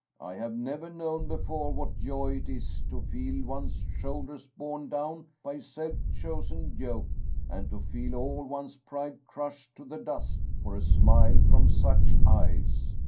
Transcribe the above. I have never known before what joy it is to feel one's shoul ders borne down by a self chosen yoke, and to feel all one's pride crushed to the dust for a smile from such eyes.